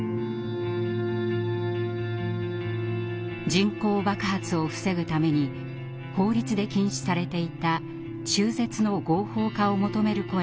人口爆発を防ぐために法律で禁止されていた中絶の合法化を求める声が高まります。